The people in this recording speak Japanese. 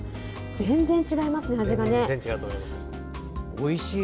全然違いますね、味がね。